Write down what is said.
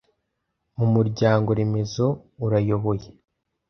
mu muryango-remezo urayoboye